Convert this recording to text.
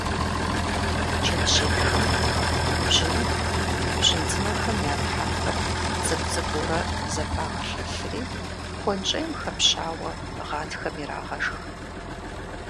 Джэджьейхэм бжьыныху, бжьын цӀынэхэм я тхьэмпэр цӀыкӀу-цӀыкӀуурэ зэпагъэлъэлъри, хуэнщӀейм хэпщауэ гъатхэм ирагъэшх.